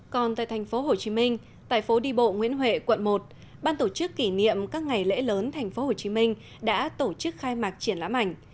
còn tại thành phố hồ chí minh tại phố đi bộ nguyễn huệ quận một ban tổ chức kỷ niệm các ngày lễ lớn thành phố hồ chí minh đã tổ chức khai mạc triển lãm ảnh